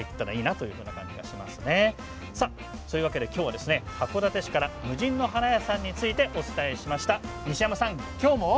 今日は函館市から無人の花屋さんについてお伝えしました。